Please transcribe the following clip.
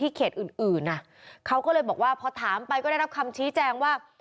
เขตอื่นอื่นอ่ะเขาก็เลยบอกว่าพอถามไปก็ได้รับคำชี้แจงว่า